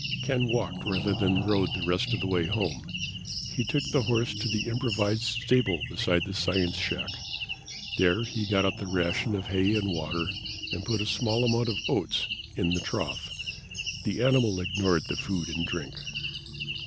Ken walked rather than rode the rest of the way home. He took the horse to the improvised stable beside the science shack. There he got out the ration of hay and water, and put a small amount of oats in the trough. The animal ignored the food and drink.